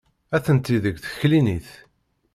Atenti deg teklinit.